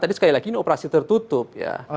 tadi sekali lagi ini operasi tertutup ya